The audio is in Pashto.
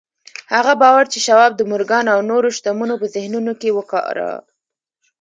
هغه باور چې شواب د مورګان او نورو شتمنو په ذهنونو کې وکاره.